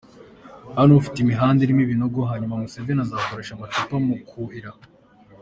Hano ufite imihanda irimo ibinogo hanyuma Museveni azakoresha amacupa mu kuhira.”